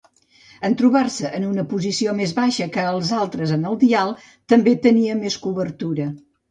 En trobar-se en una posició més baixa que els altres en el dial, també tenia més cobertura.